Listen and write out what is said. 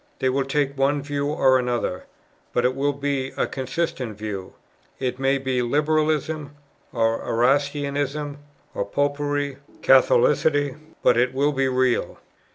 They will take one view or another, but it will be a consistent view. It may be Liberalism, or Erastianism, or Popery, or Catholicity; but it will be real."